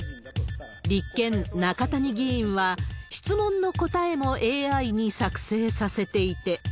立憲、中谷議員は、質問の答えもＡＩに作成させていて。